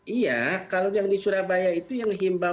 iya kalau yang di surabaya itu yang himbau